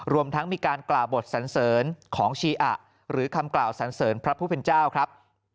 รวมทั้งมีการกล่าวบทสันเสริญของชีอะหรือคำกล่าวสันเสริญพระผู้เป็นเจ้าครับ